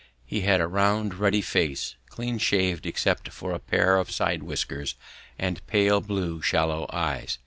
He had a round ruddy face, clean shaved except for a pair of side whiskers, and pale blue shallow eyes.